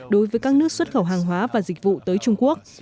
đối với các nước xuất khẩu hàng hóa và dịch vụ tới trung quốc